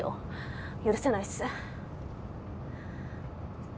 許せないっす。